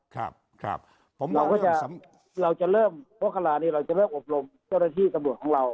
ครับครับเราจะเริ่มเราจะเริ่มโปรคลานี้เราจะเริ่มอบรมเจ้าหน้าที่ตะบวกของเรา